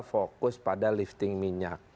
fokus pada lifting minyak